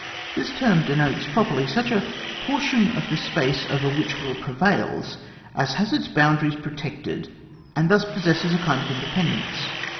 This term denotes properly sucli a por tion of the space over which war prevails as has its boundaries protectedi and thus possesses a kind of independence.